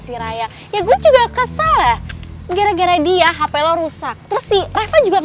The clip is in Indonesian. cinta yang terkalahkan